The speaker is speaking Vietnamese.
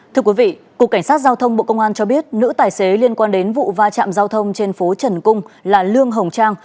thưa quý vị cục cảnh sát giao thông bộ công an cho biết nữ tài xế liên quan đến vụ va chạm giao thông trên phố trần cung là lương hồng trang